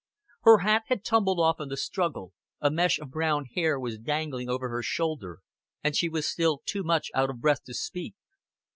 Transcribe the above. Her hat had tumbled off in the struggle, a mesh of brown hair was dangling over her shoulder, and she was still too much out of breath to speak.